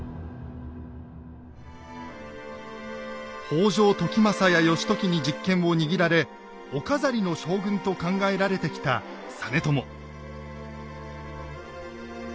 北条時政や義時に実権を握られお飾りの将軍と考えられてきた実朝。